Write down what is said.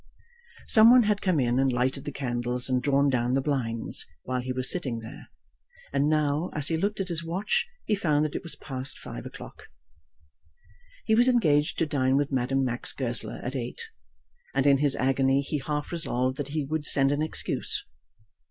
Some one had come in and lighted the candles and drawn down the blinds while he was sitting there, and now, as he looked at his watch, he found that it was past five o'clock. He was engaged to dine with Madame Max Goesler at eight, and in his agony he half resolved that he would send an excuse.